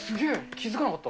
気付かなかった。